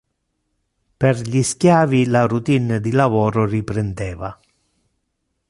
Per gli schiavi la routine di lavoro riprendeva.